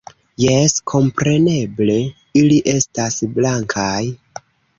Jes, kompreneble, ili estas blankaj...